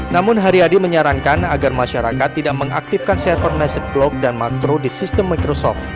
namun haryadi menyarankan agar masyarakat tidak mengaktifkan server message block dan makro di sistem microsoft